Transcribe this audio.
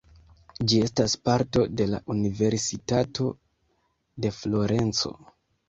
Ĝi estas parto de la Universitato de Florenco.